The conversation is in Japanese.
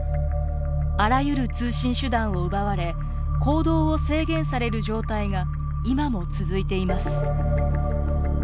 あらゆる通信手段を奪われ行動を制限される状態が今も続いています。